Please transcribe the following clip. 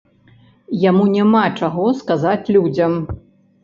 Яму няма чаго сказаць людзям.